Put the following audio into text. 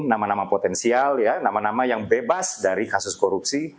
nama nama potensial ya nama nama yang bebas dari kasus korupsi